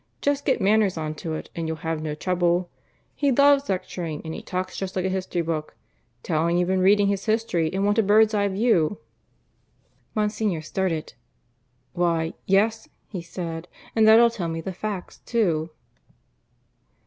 Just get Manners on to it, and you'll have no trouble. He loves lecturing; and he talks just like a history book. Tell him you've been reading his History and want a bird's eye view." Monsignor started. "Why, yes," he said, "and that'll tell me the facts, too."